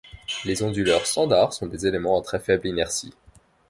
Les onduleurs standards sont des éléments à très faible inertie.